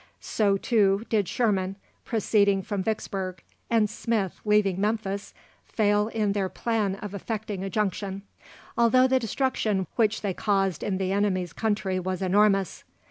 So, too, did Sherman, proceeding from Vicksburg, and Smith, leaving Memphis, fail in their plan of effecting a junction, although the destruction which they caused in the enemy's country was enormous.